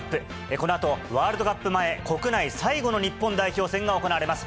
このあと、ワールドカップ前、国内最後の日本代表戦が行われます。